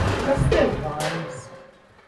Kas tev vainas?